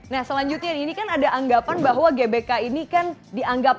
nah selanjutnya ini kan ada anggapan bahwa gbk ini kan dianggap